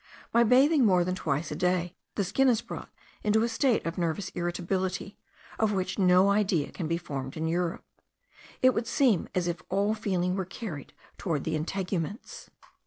By bathing more than twice a day, the skin is brought into a state of nervous irritability, of which no idea can be formed in Europe. It would seem as if all feeling were carried toward the integuments.